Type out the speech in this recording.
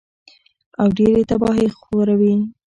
او ډېرې تباهۍ خوروي